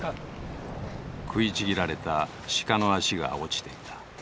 食いちぎられた鹿の足が落ちていた。